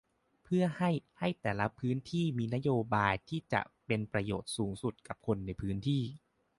เพื่อให้ให้แต่ละพื้นที่มีนโยบายที่จะเป็นประโยชน์สูงสุดกับคนในพื้นที่